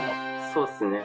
そうっすね。